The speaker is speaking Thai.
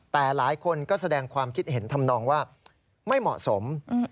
แต่หลายคนก็แสดงความคิดเห็นทำนองว่าไม่เหมาะสม